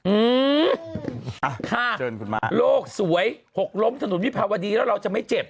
อืมค่ะโลกสวยหกล้มถนนวิพาวดีแล้วเราจะไม่เจ็บ